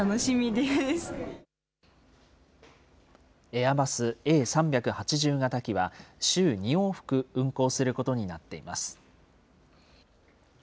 エアバスＡ３８０型機は、週２往復運航することになっています。